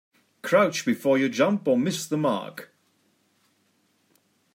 Crouch before you jump or miss the mark.